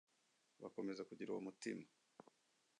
Bakomeze kugira uwo mutima.